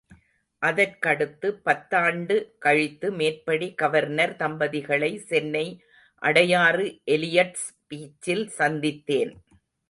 அதற்கடுத்து பத்தாண்டு கழித்து மேற்படி கவர்னர் தம்பதிகளை சென்னை அடையாறு எலியட்ஸ் பீச்சில் சந்தித்தேன்.